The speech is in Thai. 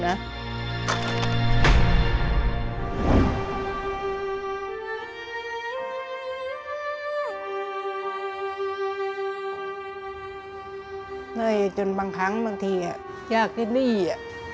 หน่อยปาบชีพจนบางครั้งบางทียากกว่าเป็นแบบนี้